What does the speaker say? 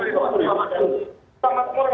di kamar kemur ya